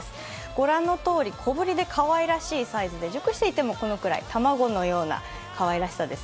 ご覧のとおり小ぶりでかわいらしいサイズで熟していても、このくらい、卵のようなかわいらしさです。